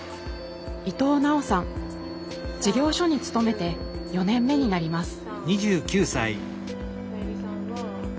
事業所に勤めて４年目になります。